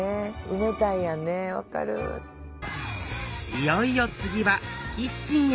いよいよ次はキッチンへ！